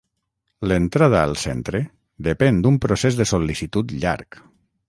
L'entrada al centre depèn d'un procés de sol·licitud llarg.